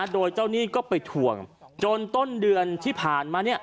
โดยเจ้าหนี้ก็ไปทวงจนต้นเดือนที่ผ่านมา